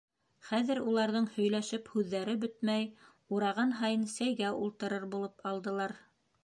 Хәҙер уларҙың һөйләшеп һүҙҙәре бөтмәй, ураған һайын сәйгә ултырыр булып алдылар.